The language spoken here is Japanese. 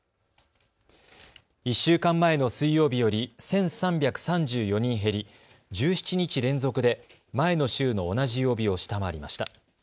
１週間前の水曜日より１３３４人減り、１７日連続で前の週の同じ曜日を下回りました。